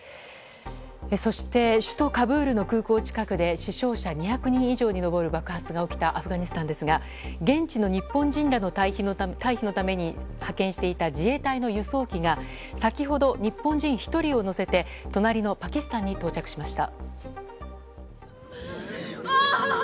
そして、首都カブールの空港近くで死傷者２００人以上に上る爆発が起きたアフガニスタンですが現地の日本人らの退避のため派遣していた自衛隊の輸送機が先ほど日本人１人を乗せて隣のパキスタンに到着しました。